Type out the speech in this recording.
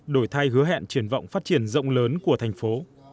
đổi thay hứa hẹn triển vọng phát triển rộng lớn của thành phố